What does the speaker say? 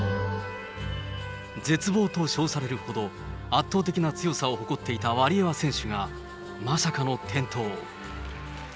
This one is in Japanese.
絶望と称されるほど、圧倒的な強さを誇っていたワリエワ選手が、まさかの転倒。